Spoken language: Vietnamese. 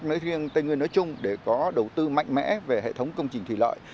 nói riêng tây nguyên nói chung để có đầu tư mạnh mẽ về hệ thống công trình thủy lợi